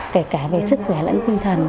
kể cả về sức khỏe lẫn tinh thần